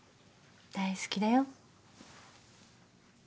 大好きだよ。